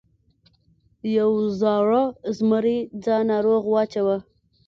یو زاړه زمري ځان ناروغ واچاوه.